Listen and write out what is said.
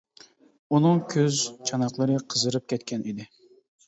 ئۇنىڭ كۆز چاناقلىرى قىزىرىپ كەتكەن ئىدى.